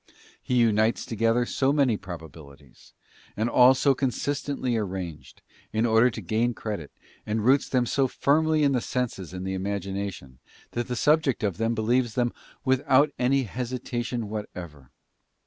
He unites together so many probabilities, and all so consistently arranged, in order to gain credit, and roots them so firmly in the senses and the imagination, that the subject of them believes them without any hesitation what ever.